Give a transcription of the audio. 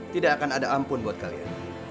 tidak akan ada ampun buat kalian